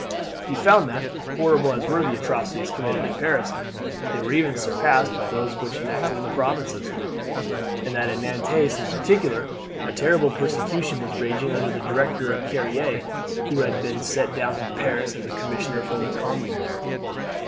He found that, horrible as were the atrocities committed in Paris, they were even surpassed by those which were enacted in the provinces, and that in Nantes in particular a terrible persecution was raging under the direction of Carrier, who had been sent down from Paris as commissioner from the Commune there.